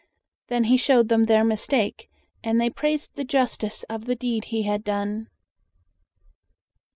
Then he showed them their mistake, and they praised the justice of the deed he had done.